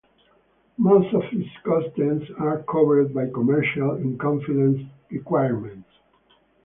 Most of its contents are covered by commercial in confidence requirements.